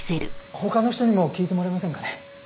他の人にも聞いてもらえませんかね？